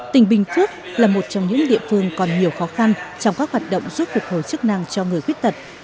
tỉnh bình phước là một trong những địa phương còn nhiều khó khăn trong các hoạt động giúp phục hồi chức năng cho người khuyết tật